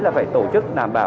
là phải tổ chức đảm bảo